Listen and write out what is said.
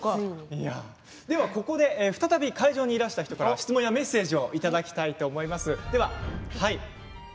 再び会場にいらした方から質問やメッセージをいただきたいと思います。